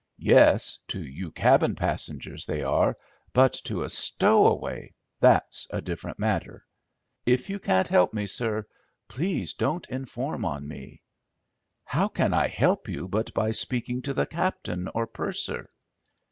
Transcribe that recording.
"Yes, to you cabin passengers they are. But to a stowaway—that's a different matter. If you can't help me, sir, please don't inform on me." "How can I help you but by speaking to the captain or purser?"